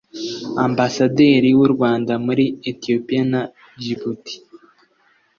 Ambasaderi w’u Rwanda muri Ethiopia na Djibouti